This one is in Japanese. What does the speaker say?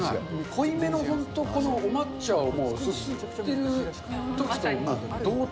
濃いめの本当、このお抹茶をすすってるときと同等。